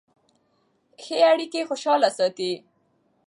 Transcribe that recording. ښې اړیکې خوشحاله ساتي.